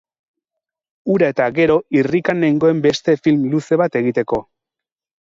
Hura eta gero irrikan nengoen beste film luze bat egiteko.